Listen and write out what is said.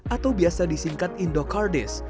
atau biasa disingkat indokardist